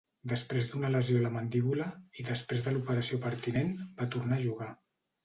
Després d'una lesió a la mandíbula, i després de l'operació pertinent, va tornar a jugar.